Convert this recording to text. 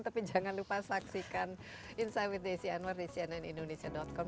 tapi jangan lupa saksikan insight with desi anwar di cnnindonesia com